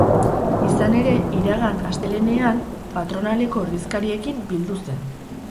Izan ere, iragan astelehenean patronaleko ordezkariekin bildu zen.